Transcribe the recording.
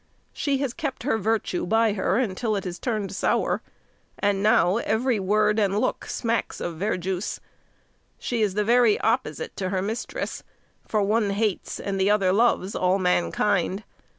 She has kept her virtue by her until it has turned sour, and now every word and look smacks of verjuice. She is the very opposite to her mistress, for one hates, and the other loves, all mankind.